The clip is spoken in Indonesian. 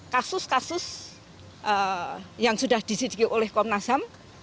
kasus kasus yang sudah disediki oleh komnas ham